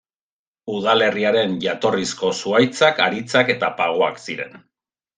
Udalerriaren jatorrizko zuhaitzak haritzak eta pagoak ziren.